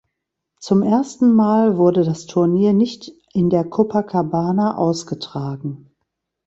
Zum ersten Mal wurde das Turnier nicht in der Copacabana ausgetragen.